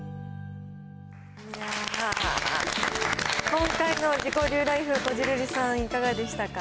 今回の自己流ライフ、こじるりさん、いかがでしたか？